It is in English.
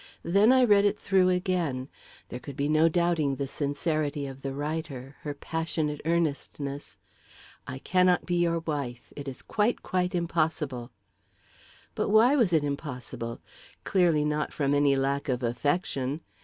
Then I read it through again there could be no doubting the sincerity of the writer, her passionate earnestness. "I cannot be your wife ... it is quite, quite impossible." But why was it impossible? Clearly not from any lack of affection.